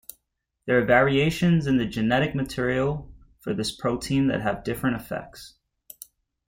There are variations in the genetic material for this protein that have different effects.